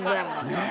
ねえ。